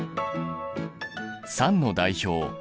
酸の代表